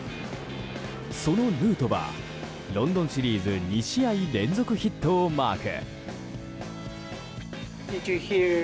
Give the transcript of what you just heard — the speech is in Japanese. そのヌートバーロンドンシリーズ２試合連続ヒットをマーク。